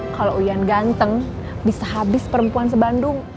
kalau uyan ganteng bisa habis perempuan sebandung